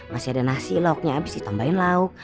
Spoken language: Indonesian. masih ada nasi lauknya habis ditambahin lauk